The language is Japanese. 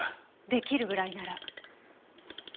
出来るぐらいなら？